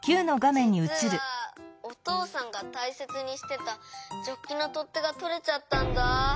じつはおとうさんがたいせつにしてたジョッキのとってがとれちゃったんだ。